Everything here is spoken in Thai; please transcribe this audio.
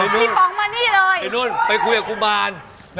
มานี่เลยไปคุยกับกูบาน